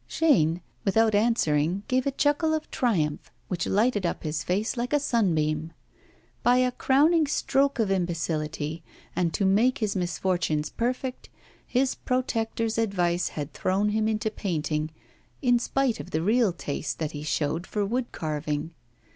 Chaîne, without answering, gave a chuckle of triumph which lighted up his face like a sunbeam. By a crowning stroke of imbecility, and to make his misfortunes perfect, his protector's advice had thrown him into painting, in spite of the real taste that he showed for wood carving.